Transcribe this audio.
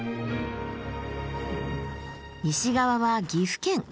西側は岐阜県。